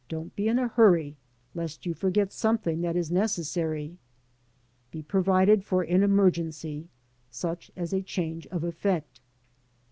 13 Don't be in a hurry lest you forget something that is necessary. Be provided for an emergency, such as a change of effect.